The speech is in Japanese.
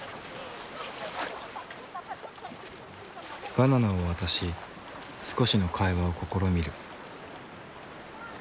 バナナを渡し少しの会話を試みる。